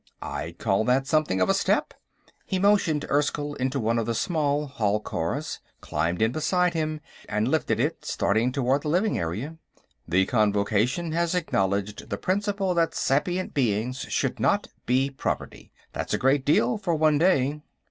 "I'd call that something of a step." He motioned Erskyll into one of the small hall cars, climbed in beside him, and lifted it, starting toward the living area. "The Convocation has acknowledged the principle that sapient beings should not be property. That's a great deal, for one day."